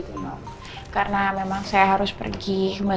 silahkan mbak mbak